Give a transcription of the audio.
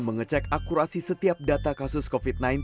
mengecek akurasi setiap data kasus covid sembilan belas